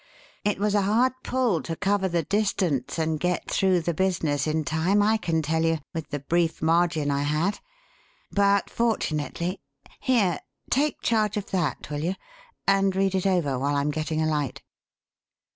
"It was a hard pull to cover the distance and get through the business in time, I can tell you, with the brief margin I had. But fortunately Here! Take charge of that, will you? And read it over while I'm getting a light."